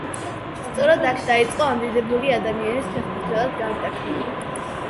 სწორედ აქ დაიწყო ამ დიდებული ადამიანის ფეხბურთელად გარდაქმნა.